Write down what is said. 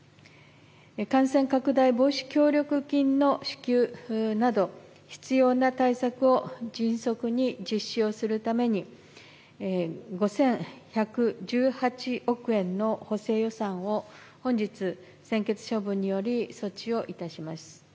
感染拡大防止協力金の支給など、必要な対策を迅速に実施をするために、５１１８億円の補正予算を本日、専決処分により措置をいたします。